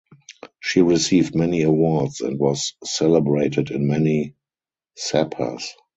She received many awards and was celebrated in many sabhas.